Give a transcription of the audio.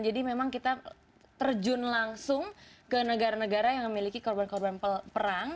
jadi memang kita terjun langsung ke negara negara yang memiliki korban korban perang